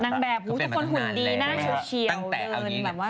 นางแบบทุกคนหุ่นดีหน้าชุดเชียว